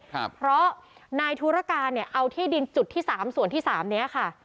เพราะนายธุรการเนี่ยเอาที่ดินจุดที่สามส่วนที่สามเนี้ยค่ะ